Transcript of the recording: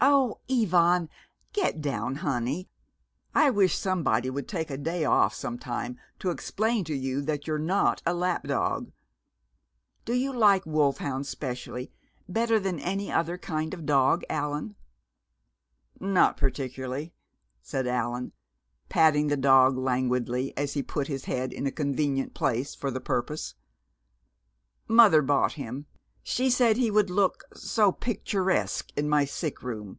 "Oh, Ivan, get down, honey! I wish somebody would take a day off some time to explain to you that you're not a lap dog! Do you like wolfhounds specially better than any other kind of dog, Allan?" "Not particularly," said Allan, patting the dog languidly as he put his head in a convenient place for the purpose. "Mother bought him, she said, because he would look so picturesque in my sick room.